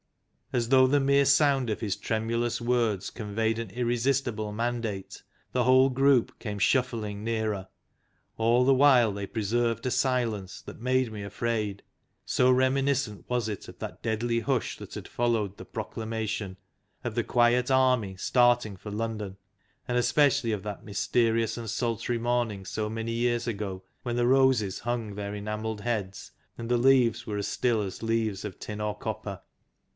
As though the mere sound of his tremulous words conveyed an irresistible man date, the whole group came shuffling nearer. All the while they preserved a silence that made me afraid, so reminiscent was it of that deadly hush that had followed the Proclamation, of the quiet army starting for London, and especially of that mysterious and sultry morning so many years ago when the roses hung their enamelled heads and the leaves were as still as leaves of tin or copper.